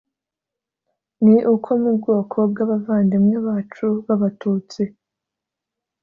ni uko mu bwoko bw'abavandimwe bacu b'abatutsi